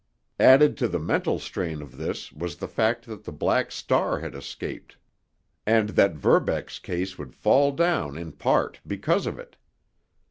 Added to the mental strain of this was the fact that the Black Star had escaped, and that Verbeck's case would fall down in part because of it.